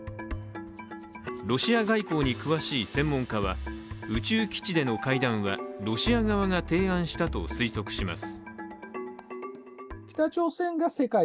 ロシア外交に詳しい専門家は宇宙基地での会談はロシア側が提案したと推測します。